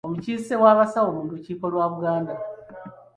Omukiise w'abasawo mu lukiiko lwa Buganda.